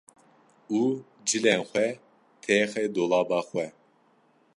û cilên xwe têxe dolaba xwe.